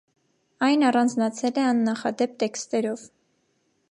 Այն առանձնացել է աննախադեպ տեքստերով։